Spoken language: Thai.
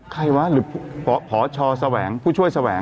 ใครวะหรือผชแสวงผู้ช่วยแสวง